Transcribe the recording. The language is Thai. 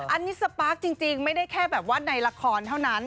อันนี้สปาร์คจริงไม่ได้แค่แบบว่าในละครเท่านั้น